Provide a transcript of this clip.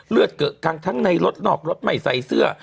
เลือดเกะกันทั้งในรถนอกรถใหม่ใส่เสื้อ